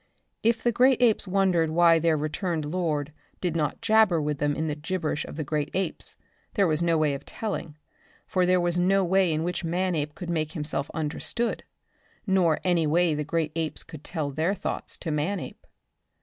If the great apes wondered why their returned lord did not jabber with them in the gibberish of the great apes, there was no way of telling, for there was no way in which Manape could make himself understood, nor any way the great apes could tell their thoughts to Manape.